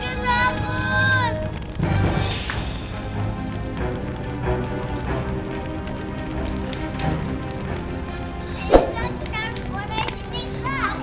ayah kak kita harus pulang dari sini kak